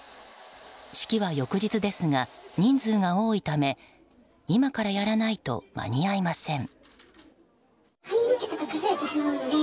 式は翌日ですが人数が多いため今からやらないと間に合いません。